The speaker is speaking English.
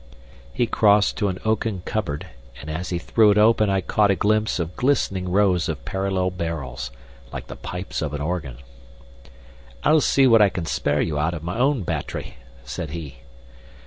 He crossed to an oaken cupboard, and as he threw it open I caught a glimpse of glistening rows of parallel barrels, like the pipes of an organ. "I'll see what I can spare you out of my own battery," said he.